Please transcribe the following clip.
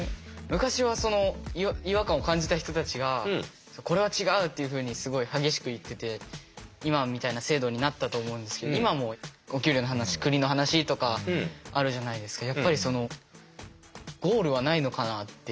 昔は違和感を感じた人たちがこれは違うっていうふうにすごい激しく言ってて今みたいな制度になったと思うんですけど今もお給料の話国の話とかあるじゃないですか。